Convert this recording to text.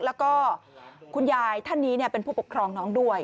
แล้วก็คุณยายท่านนี้เป็นผู้ปกครองน้องด้วย